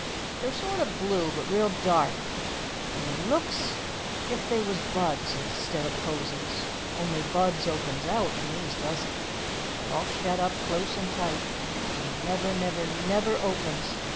They're sort o' blue, but real dark, and they look's if they was buds 'stead o' posies only buds opens out, and these doesn't. They're all shet up close and tight, and they never, never, never opens.